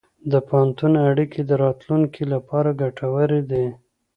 د پوهنتون اړیکې د راتلونکي لپاره ګټورې دي.